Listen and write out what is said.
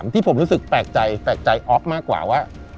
ที่ผมรู้สึกแปลกใจออกมากกว่าว่า